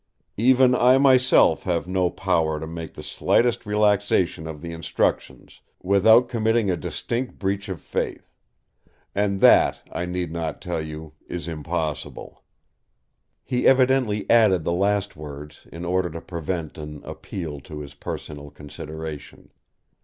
Even I myself have no power to make the slightest relaxation of the instructions, without committing a distinct breach of faith. And that, I need not tell you, is impossible." He evidently added the last words in order to prevent an appeal to his personal consideration.